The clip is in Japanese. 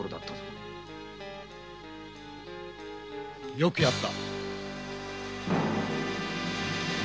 よくやった。